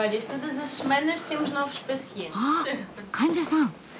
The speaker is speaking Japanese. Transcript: あ患者さん。